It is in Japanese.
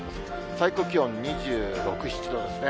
最高気温２６、７度ですね。